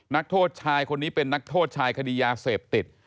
นักโทษชายคนนี้เป็นนักโทษชายคดียาเสพติด